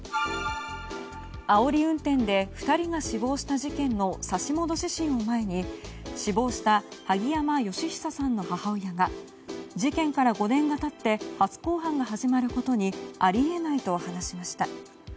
あおり運転で２人が死亡した事件の差し戻し審を前に死亡した萩山嘉久さんの母親が事件から５年が経って初公判が始まることにあり得ないと話しました。